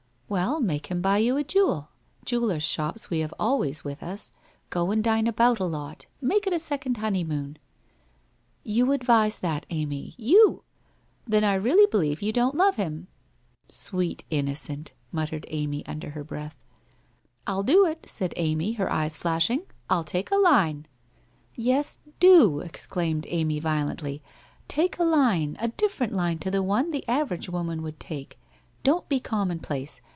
'' Well, make him buy you a jewel. Jewellers' shops we have always with us. Go and dine about a lot. Make it a second honeymoon.' 1 You advise that, Amy — you ! Then I really believe you don't love him !'' Sweet innocent !' muttered Amy under her breath. Til do it!' said Edith, her eyes flashing. Til take a line.' 1 Yes, do !' exclaimed Amy violently. ' Take a line, a different line to the one the average woman would take. Don't be commonplace.